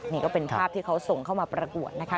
นี่ก็เป็นภาพที่เขาส่งเข้ามาประกวดนะคะ